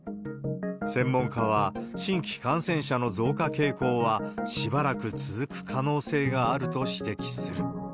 専門家は、新規感染者の増加傾向はしばらく続く可能性があると指摘する。